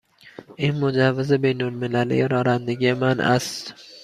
این مجوز بین المللی رانندگی من است.